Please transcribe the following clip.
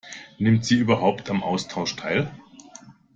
Nimmt sie überhaupt am Austausch teil?